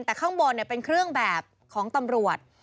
แต่ข้างบนเป็นเครื่องแบบของตำรวจ